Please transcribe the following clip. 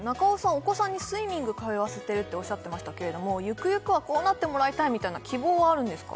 お子さんにスイミング通わせてるっておっしゃってましたけれどもゆくゆくはこうなってもらいたいみたいな希望はあるんですか？